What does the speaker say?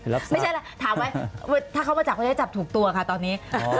ถามไว้ถ้าเขามาจับก็จะได้จับถูกตัวค่ะตอนนี้